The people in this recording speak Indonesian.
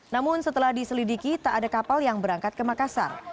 namun setelah diselidiki tak ada kapal yang berangkat ke makassar